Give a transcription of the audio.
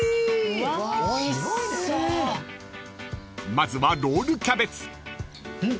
［まずはロールキャベツ］